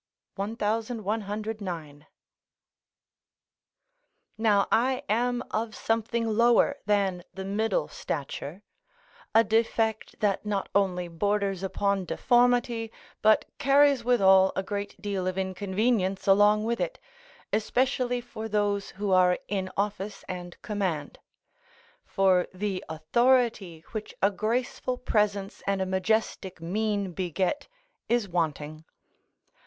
1109.] Now I am of something lower than the middle stature, a defect that not only borders upon deformity, but carries withal a great deal of inconvenience along with it, especially for those who are in office and command; for the authority which a graceful presence and a majestic mien beget is wanting.